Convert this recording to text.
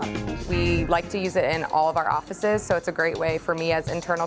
kami suka menggunakannya di semua kantor kami jadi ini adalah cara yang bagus untuk saya sebagai komunikasi internal